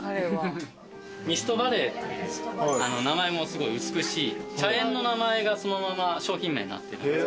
ミストバレーっていう名前もすごい美しい茶園の名前がそのまま商品名になってる。